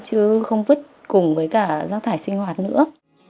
chứ không vứt cùng với cả rác thải sinh hoạt nữa